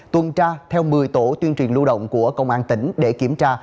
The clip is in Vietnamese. tuần tra theo một mươi tổ tuyên truyền lưu động của công an tỉnh để kiểm tra